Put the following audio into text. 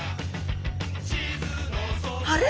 あれ？